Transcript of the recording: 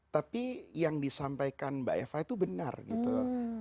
tapi yang disampaikan mbak eva itu benar gitu loh